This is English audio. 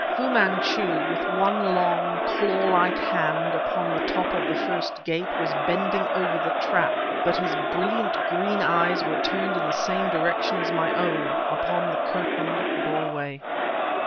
Fu Manchu, with one long, claw like hand upon the top of the First Gate, was bending over the trap, but his brilliant green eyes were turned in the same direction as my own upon the curtained doorway.